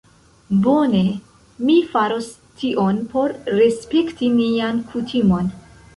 Bone. Mi faros tion por respekti nian kutimon